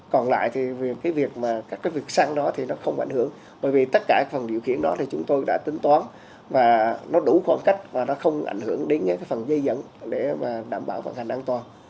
còn lại thì cái việc mà các cái việc săn đó thì nó không ảnh hưởng bởi vì tất cả phần điều khiển đó thì chúng tôi đã tính toán và nó đủ khoảng cách và nó không ảnh hưởng đến cái phần dây dẫn để mà đảm bảo vận hành an toàn